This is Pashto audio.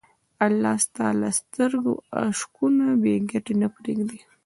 الله ستا له سترګو اشکونه بېګټې نه پرېږدي.